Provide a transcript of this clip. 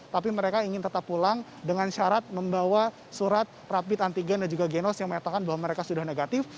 tapi mereka ingin tetap pulang dengan syarat membawa surat rapid antigen dan juga genos yang menyatakan bahwa mereka sudah negatif